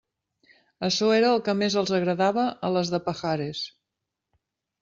Açò era el que més els agradava a les de Pajares.